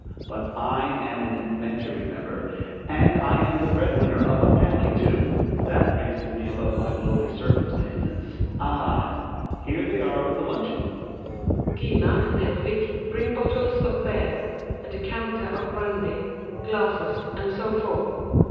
But, I am an inventor, remember, and I am the bread winner of a family too. ^hafr raiseff "me abova my lowly^i rou i»»tftBce& —'— Ah I here they are with the luncheon I GiNA and Hedvig bring bottles of beer, a decanter of brandy, glassies and so forth.